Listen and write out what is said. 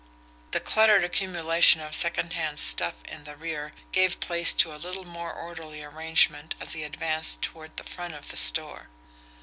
The cluttered accumulation of secondhand stuff in the rear gave place to a little more orderly arrangement as he advanced toward the front of the store.